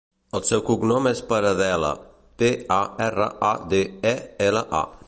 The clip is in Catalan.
El seu cognom és Paradela: pe, a, erra, a, de, e, ela, a.